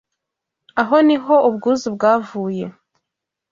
Aho ni ho ubwuzu bwavuye